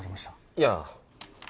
いや。